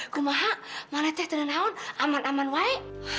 kumaha maleteh tenen naon aman aman wae